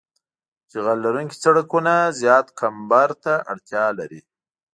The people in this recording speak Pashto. جغل لرونکي سرکونه زیات کمبر ته اړتیا لري